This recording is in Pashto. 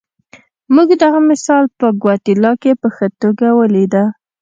موږ دغه مثال په ګواتیلا کې په ښه توګه ولیده.